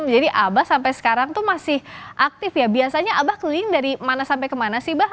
jadi abah sampai sekarang masih aktif ya biasanya abah keliling dari mana sampai kemana sih abah